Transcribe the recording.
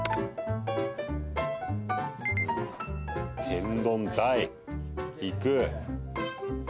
天丼、大、いく。